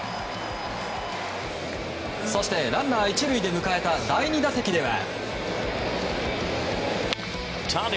ランナー１塁で迎えた第２打席では。